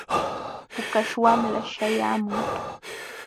Pukaśh wamla śhayaamun.